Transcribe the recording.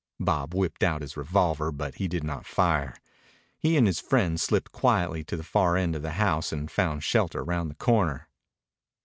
Bob whipped out his revolver, but he did not fire. He and his friend slipped quietly to the far end of the house and found shelter round the corner.